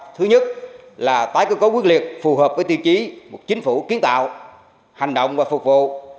thứ nhất là tái cơ cấu quyết liệt phù hợp với tiêu chí một chính phủ kiến tạo hành động và phục vụ